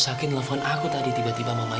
aku sendiri yang menangis